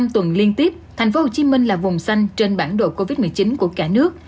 năm tuần liên tiếp tp hcm là vùng xanh trên bản đồ covid một mươi chín của cả nước